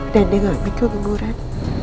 dan dia gak mikir ngeluh ngeluhan